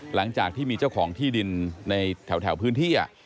หลังจากที่มีเจ้าของที่ดินในแถวพื้นที่